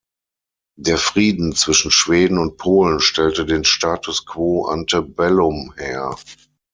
Der Frieden zwischen Schweden und Polen stellte den Status quo ante bellum her.